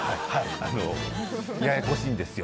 あのややこしいんですよ。